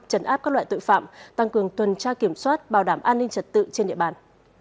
trấn áp các loại tội phạm tăng cường tuần tra kiểm soát bảo đảm an ninh trật tự trên địa bàn